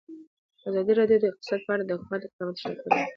ازادي راډیو د اقتصاد په اړه د حکومت اقدامات تشریح کړي.